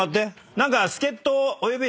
何か。